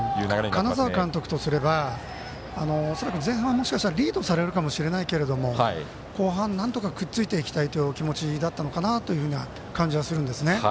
金沢監督とすれば恐らく前半もしかしたらリードされるかもしれないけれど後半なんとかくっついていきたいというお気持ちだったのかなという感じがするんですね。